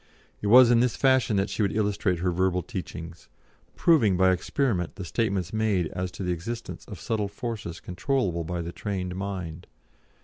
It was in this fashion that she would illustrate her verbal teachings, proving by experiment the statements made as to the existence of subtle forces controllable by the trained mind.